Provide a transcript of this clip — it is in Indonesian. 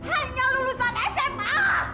hanya lulusan sma